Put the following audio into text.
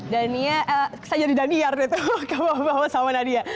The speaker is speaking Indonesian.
dania saya jadi dania berarti kamu bawa bawa sama nadia